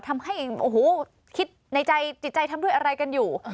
ทำให้โอ้โหคิดในใจจิตใจทำด้วยอะไรกันอยู่